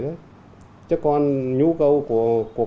chứ còn nhu cầu của các doanh nghiệp là một tấn tân rưỡi